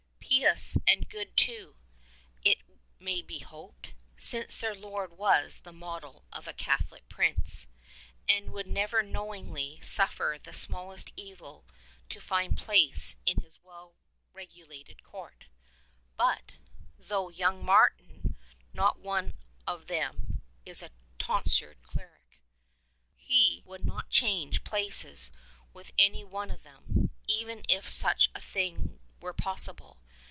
Pious and good too, it may be hoped, since their lord was the model of a Catholic prince, and would never knowingly suffer the smallest evil to find place in his well regulated court. But — thought young Martin — not one of them is a tonsured cleric. He would not change places with any one of them, even if such a thing were possible.